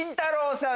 さん。